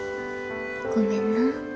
ごめんな。